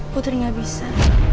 putri gak bisa